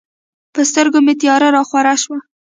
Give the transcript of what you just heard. په سترګو مې تیاره راخوره شوه.